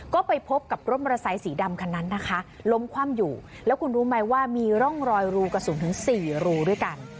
ก็ไปพบกับรถมอเตอร์ไซสีดำคันนั้นนะคะล้มคว่ำอยู่แล้วคุณรู้ไหมว่ามีร่องรอยรูกระสุนถึง๔รูด้วยกัน